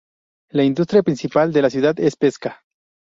La industria principal de la ciudad es pesca.